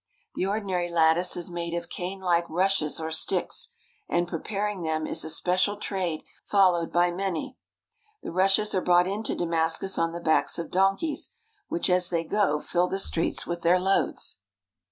The ordinary lattice is made of canelike rushes or sticks, and preparing them is a special trade followed by many. The rushes are brought in to Damascus on the backs of donkeys, which as they go fill the streets with their loads.